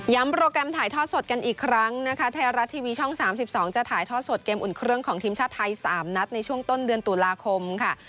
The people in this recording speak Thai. โปรแกรมถ่ายทอดสดกันอีกครั้งนะคะไทยรัฐทีวีช่อง๓๒จะถ่ายทอดสดเกมอุ่นเครื่องของทีมชาติไทย๓นัดในช่วงต้นเดือนตุลาคมค่ะ